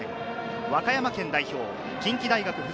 和歌山県代表・近畿大学附属